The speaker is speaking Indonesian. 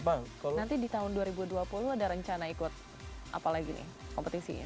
nanti di tahun dua ribu dua puluh ada rencana ikut apa lagi nih kompetisinya